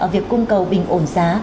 việc cung cầu bình ổn giá